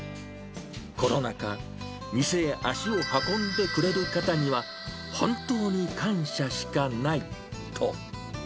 コロナ禍、店へ足を運んでくれる方には、本当に感謝しかないと。